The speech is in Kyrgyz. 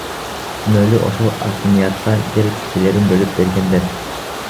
Күнөөлүү ошол акимиатта жер тилкелерин бөлүп бергендер.